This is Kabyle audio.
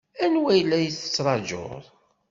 Anwa ay la tettṛajuḍ?